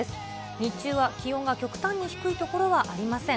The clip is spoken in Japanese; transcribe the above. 日中は気温が極端に低い所はありません。